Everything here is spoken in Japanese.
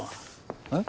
えっ？